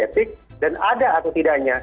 etik dan ada atau tidaknya